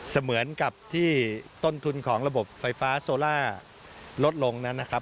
เสมือนกับที่ต้นทุนของระบบไฟฟ้าโซลาร์ลดลง